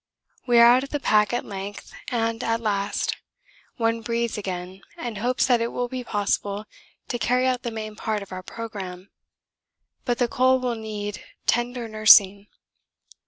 We are out of the pack at length and at last; one breathes again and hopes that it will be possible to carry out the main part of our programme, but the coal will need tender nursing.